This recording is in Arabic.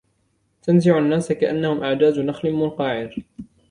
تَنْزِعُ النَّاسَ كَأَنَّهُمْ أَعْجَازُ نَخْلٍ مُنْقَعِرٍ